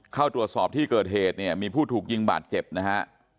เข้าตรวจสอบที่เกิดเหตุเนี่ยมีผู้ถูกยิงบาดเจ็บนะฮะ